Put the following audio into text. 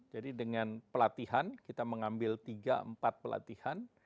jadi dengan pelatihan kita mengambil tiga empat pelatihan